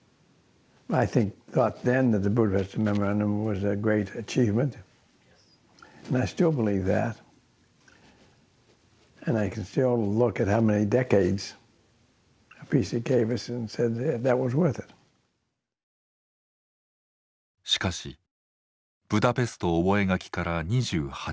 しかしブダペスト覚書から２８年。